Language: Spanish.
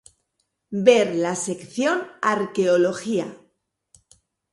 Ver la sección Arqueología.